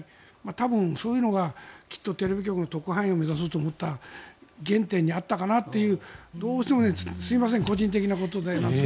多分、そういうのがテレビ局の特派員を目指そうと思った原点にあったかなというどうしてもすみません、個人的なことで。